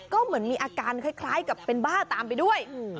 ก็เหมือนมีอาการคล้ายกับเป็นบ้าตามไปด้วย